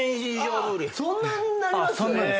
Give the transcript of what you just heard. そんなになります？